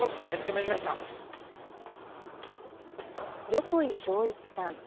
横井庄一さん。